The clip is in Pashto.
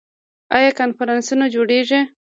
آیا کنفرانسونه جوړیږي؟